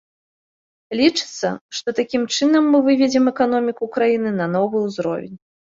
Лічыцца, што такім чынам мы выведзем эканоміку краіны на новы ўзровень.